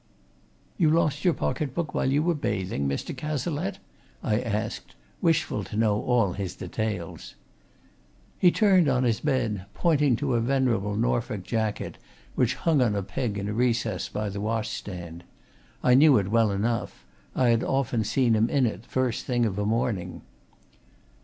"You lost your pocket book while you were bathing, Mr. Cazalette?" I asked, wishful to know all his details. He turned on his bed, pointing to a venerable Norfork jacket which hung on a peg in a recess by the washstand. I knew it well enough: I had often seen him in it first thing of a morning.